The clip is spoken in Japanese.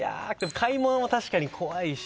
買い物も確かに怖いし。